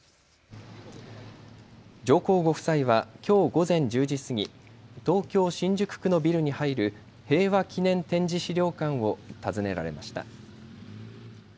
上皇ご夫妻はきょう午前１０時過ぎ東京新宿区のビルに入る平和祈念展示資料館を訪ねられました。